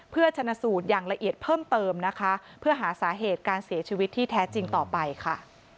เพื่อชนะสูตรอย่างละเอียดเพิ่มเติมนะคะเพื่อหาสาเหตุการเสียชีวิตที่แท้จริงต่อไปค่ะ